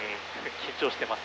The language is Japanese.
緊張してます？